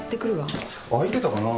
空いてたかな？